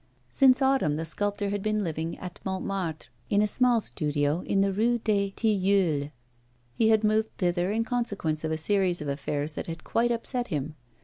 Since autumn, the sculptor had been living at Montmartre, in a small studio in the Rue des Tilleuls. He had moved thither in consequence of a series of affairs that had quite upset him.